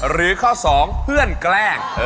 หรือข้อ๒เพื่อนแกล้ง